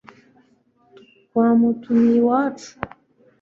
twamutumiye iwacu